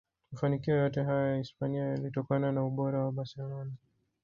Mafanikio yote haya ya Hispania yalitokana na ubora wa Barcelona